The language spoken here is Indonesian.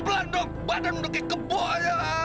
badanmu lagi keboh aja